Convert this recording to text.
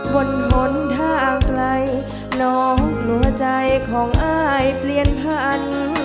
บนทนท่าใกล้น้องหงวะใจของอ้ายเปลี่ยนพัน